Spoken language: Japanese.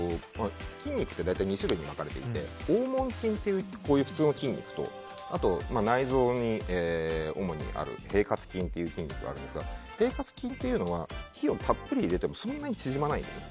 筋肉って大体２種類ぐらいに分かれていて、横紋筋っていう普通の筋肉と内臓に主にある平滑筋という筋肉があるんですが平滑筋というのは火をたっぷり入れても縮まないんです。